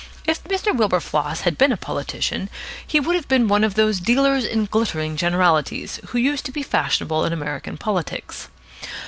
If Mr. Wilberfloss had been a politician, he would have been one of those dealers in glittering generalities who used to be fashionable in American politics.